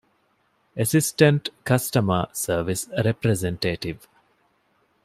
އެސިސްޓެންޓް ކަސްޓަމަރ ސަރވިސް ރެޕްރެޒެންޓޭޓިވް